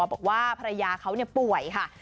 บอกว่าภรรยาเขาป่วยค่ะ